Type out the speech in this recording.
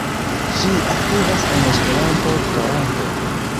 Ŝi aktivas en Esperanto-Toronto.